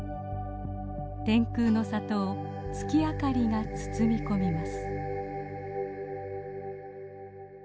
天空の里を月明かりが包み込みます。